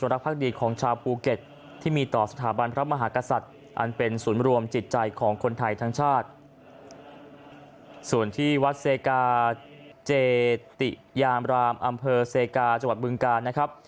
รับมหากษัตริย์อันเป็นศูนย์รวมจิตใจของคนไทยทั้งชาติส่วนที่วัดเซกาเจติยามรามอำเภอเซกาจังหวัดบึงกานะครับ